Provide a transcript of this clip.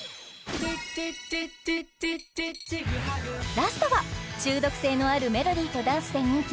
ラストは中毒性のあるメロディーとダンスで人気の